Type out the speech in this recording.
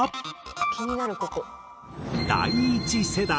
「気になるここ」